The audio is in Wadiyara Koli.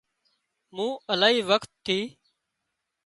مون الاهي وکت ٿِي